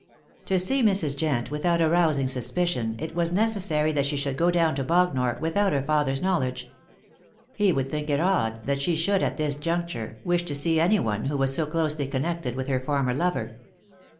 To see Mrs. Jent without arousing suspicion it was necessary that she should go down to Bognor without her father's knowledge. He would think it odd that she should, at this juncture, wish to see one who was so closely connected with her former lover.